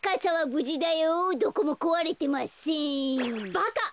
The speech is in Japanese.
バカ！